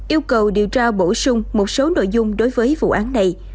yêu cầu điều tra bổ sung một số nội dung đối với vụ án này